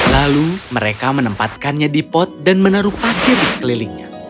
lalu mereka menempatkannya di pot dan menaruh pasir di sekelilingnya